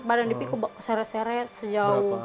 badan devi keseret seret sejauh